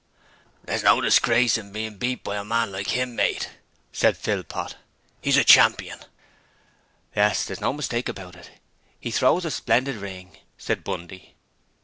'There's no disgrace in bein' beat by a man like 'im, mate,' said Philpot. ''E's a champion!' 'Yes, there's no mistake about it. 'E throws a splendid ring!' said Bundy.